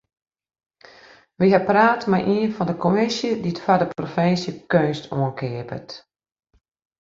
We ha praat mei ien fan de kommisje dy't foar de provinsje keunst oankeapet.